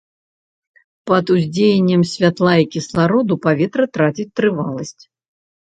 Пад уздзеяннем святла і кіслароду паветра траціць трываласць.